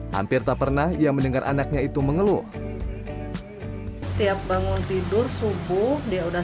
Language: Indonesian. hampir tak pernah ia mendengar anaknya itu mengeluh setiap bangun tidur subuh dia udah